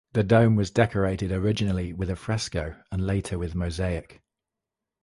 The dome was decorated originally with a fresco, and later with mosaic.